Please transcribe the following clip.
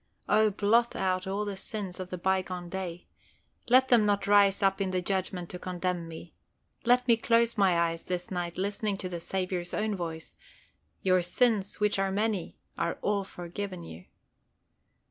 O blot out all the sins of the bygone day. Let them not rise up in the Judgment to condemn me. Let me close my eyes this night listening to the Saviour's own voice "Your sins which are many are all forgiven you."